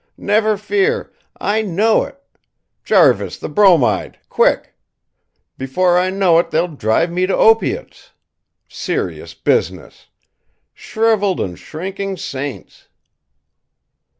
Never fear! I know it! Jarvis, the bromide, quick! Before I know it, they'll drive me to opiates. Serious business! Shrivelled and shrinking saints!"